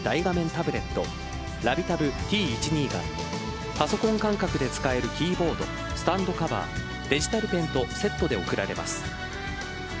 タブレットＬＡＶＩＥＴａｂＴ１２がパソコン感覚で使えるキーボードスタンドカバー、デジタルペンとセットで贈られます。